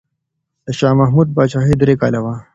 د شاه محمود پاچاهي درې کاله وه.